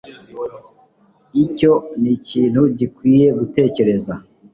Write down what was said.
Icyo nikintu gikwiye gutekereza.